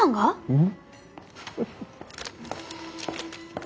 うん。